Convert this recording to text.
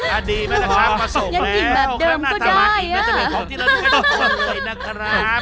อ่าดีไหมนะครับมาส่งแล้วอ่าน่าสามารถอิ่งนะ